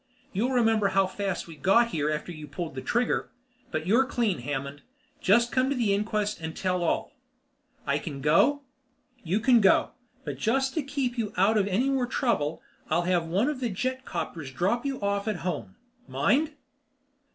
"You'll remember how fast we got here after you pulled the trigger. But you're clean, Hammond. Just come to the inquest and tell all." "I can go?" "You can go. But just to keep you out of any more trouble, I'll have one of the jetcopters drop you off at home. Mind?"